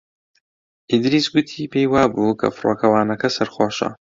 ئیدریس گوتی پێی وا بوو کە فڕۆکەوانەکە سەرخۆشە.